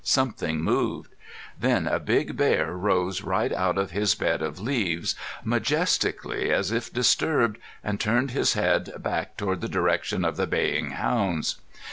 Something moved. Then a big bear rose right out of his bed of leaves, majestically as if disturbed, and turned his head back toward the direction of the baying hounds.